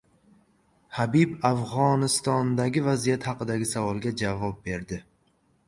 Habib Afg‘onistondagi vaziyat haqidagi savolga javob berdi